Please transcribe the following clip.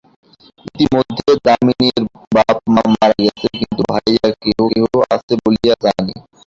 ইতিমধ্যে দামিনীর বাপ মা মারা গেছে, কিন্তু ভাইরা কেহ-কেহ আছে বলিয়াই জানি।